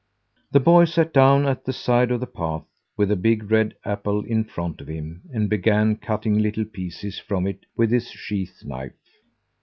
The boy sat down at the side of the path, with the big red apple in front of him, and began cutting little pieces from it with his sheath knife.